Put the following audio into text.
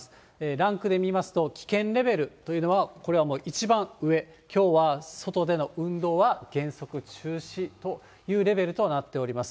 ランクで見ますと、危険レベルというのは、これはもう一番上、きょうは外での運動は原則中止というレベルとなっております。